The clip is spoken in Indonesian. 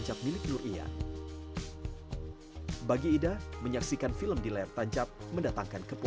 saya beli sedikit sedikit